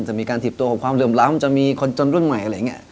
จะมีการถีบตัวของความเหลื่อมล้ำจะมีคนจนรุ่นใหม่อะไรอย่างนี้